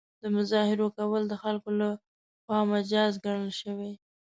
د مظاهرو کول د خلکو له خوا مجاز ګڼل شوي.